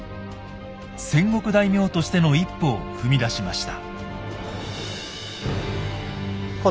戦国大名としての一歩を踏み出しました。